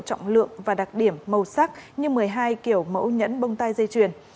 tổng lượng và đặc điểm màu sắc như một mươi hai kiểu mẫu nhẫn bông tai dây chuyển